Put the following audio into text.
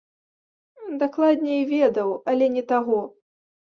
Дакладней ведаў, але не таго.